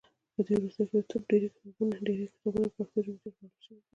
په دې وروستیو کې د طب ډیری کتابونه پښتو ژبې ته ژباړل شوي دي.